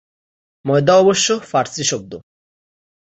ময়দা অবশ্য ফারসি শব্দ।